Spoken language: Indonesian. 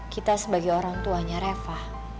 kita sebagai orang tuanya reva